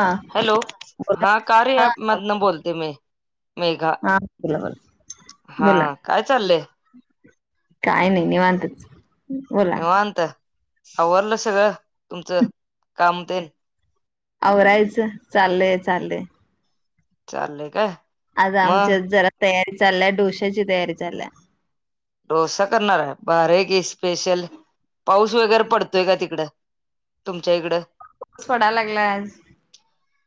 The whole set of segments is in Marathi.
हा हॅलो बोला हा कार्य हा हा ॲपमधनं बोलते मी. मेघा. हा, बोला बोला हा बोला काय चाललंय. काय नाही निवांतच. बोला निवांत. आवरल सगळ तुमच काम तेन. आवरायच चाललेय चाललेय. चाललेय काय? आता मग आमच्या जरा तयारी चालल्याय. डोश्याची तयारी चालल्या. डोसा करणार आहे. बर की स्पेशल. पाऊस वगैरे पडतोय का तिकड. तुमच्या इकडं. पडाय लागलाय आज.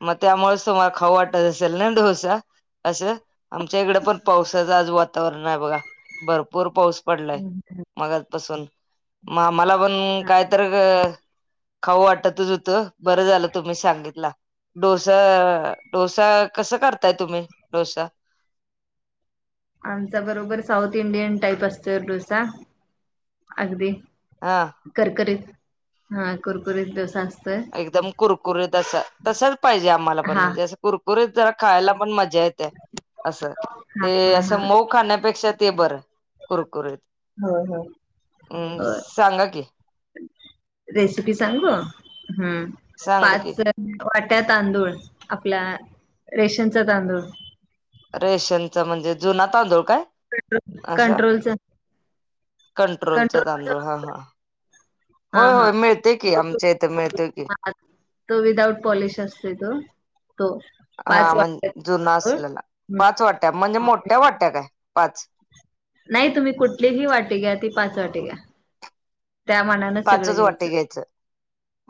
मग त्यामुळेच तुम्हाला खाऊ वाटत असेल ना डोसा. असं आमच्या इकडे पण पावसाचं आज वातावरण आहे बघा. भर भरपूर पाऊस पडलाय मगपासून. म मला पण कायतरी खाऊ वाटतच होत. बरं झालं तुम्ही सांगितल. डोसा डोसा कसं करताय तुम्ही डोसा. आमचा बरोबर साऊथ इंडियन टाईप असतो डोसा. अगदी हा कुरकुरीत हा कुरकुरीत डोसा असतो. एकदम कुरकुरीतस असा. तसाच पाहिजे आम्हाला पण हा म्हणजे असं कुरकुरीत जरा खायला पण मजा येते. असं हा हा ते हा असं मऊ खाण्यापेक्षा ते बर‌ कुरकुरीत. होय होय अं होय सांगा की. रेसिपी सांगु. सांगा पाच की वाट्या तांदूळ. आपल्या रेशनचा तांदूळ. रेशनचा म्हणजे जुना तांदूळ काय? असं कंट्रोलचा. कंट्रोलचा तांदूळ. हा हा हा होय हा होय मिळतोय की. आमच्या इथं मिळतोय की. हा तो विदाउट पॉलिश असते तो तो पाच हा म्हण वाट जुना असलेला पाच वाट्या म्हणजे मोठ्या वाट्या काय पाच नाही तुम्ही कुठलीही वाटी घ्या ती पाच वाटी घ्या त्या मनानं सगळं पाचच वाटे घ्यायचं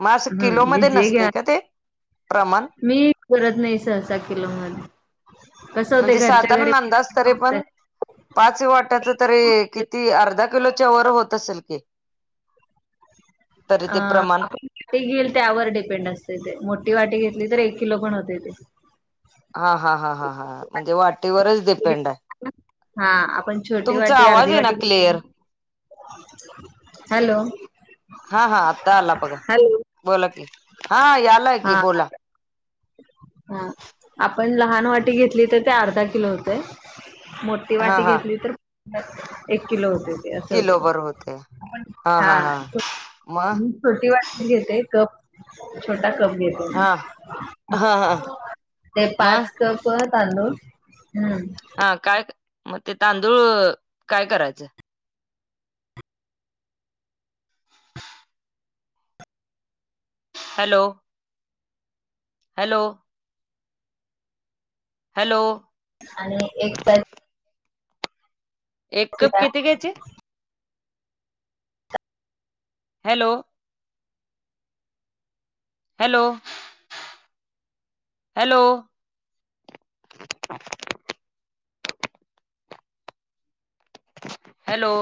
मग असं हम्म नि किलोमध्ये जे नसते घ का ते प्रमाण मी करत नाही सहसा किलो मध्ये कसं होते म्हणजे घरच्या घरी साधारण अंदाज ते होतंय. पण पाच वाट्याच तरी किती अर्धा किलोच्या वर होत असेल की ह अ ते घेईल त्यावर डिपेंड असते ते मोठी वाटी घेतली तर एक किलो पण होते ते हा हा हा ह ह म्हणजे वाटीवरच डिपेंड आहे हा आपण छोटी तुमचा वाटी आवाज अर्धी आहे ना वाटी घेतली क्लिअर ना. हॅलो हा हा आता आला बघा हॅलो. बोला कि हा यालाय कि हा बोला हा आपण लहान वाटी घेतली तर ते अर्धा किलो होतय मोठ ती हा वाटी हा घेतली तर एक किलो होते अस किलो बर होते हा का हा हा मग छोटी वाटण घेते कप छोटा कप घेते हा हा हा ते मग पाच भर तांदूळ हा काय मग ते तांदूळ काय करायचं हॅलो हॅलो हॅलो आणि एक पर एक कप पॅकेट किती घ्यायची हॅलो हॅलो हॅलो हॅलो